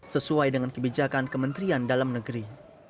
sesuai dengan kebijakan kementerian dalam negeri